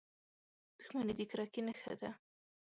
• دښمني د کرکې نښه ده.